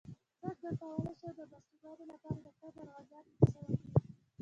څنګه کولی شم د ماشومانو لپاره د قبر عذاب کیسه وکړم